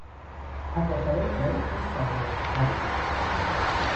"A qualsevol preu, és sòbria", va dir.